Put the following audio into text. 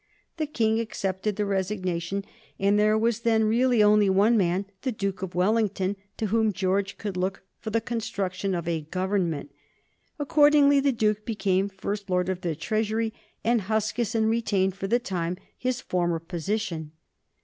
The King accepted the resignation, and there was then really only one man, the Duke of Wellington, to whom George could look for the construction of a Government. Accordingly, the Duke became First Lord of the Treasury, and Huskisson retained, for the time, his former position.